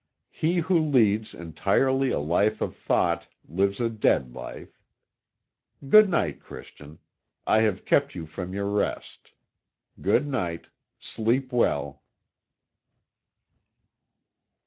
He who leads entirely a life of thought lives a dead life. Good night, Christian. I have kept you from your rest. Good night. Sleep well."